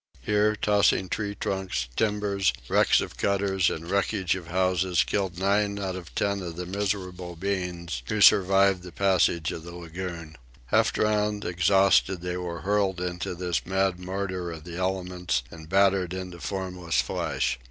Here, tossing tree trunks, timbers, wrecks of cutters, and wreckage of houses, killed nine out of ten of the miserable beings who survived the passage of the lagoon. Half drowned, exhausted, they were hurled into this mad mortar of the elements and battered into formless flesh.